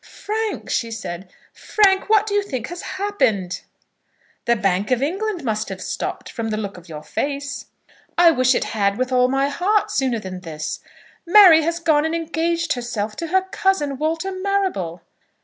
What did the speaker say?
"Frank," she said, "Frank, what do you think has happened?" "The Bank of England must have stopped, from the look of your face." "I wish it had, with all my heart, sooner than this. Mary has gone and engaged herself to her cousin, Walter Marrable."